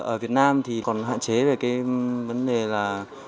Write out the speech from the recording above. ở việt nam thì còn hạn chế về cái vấn đề là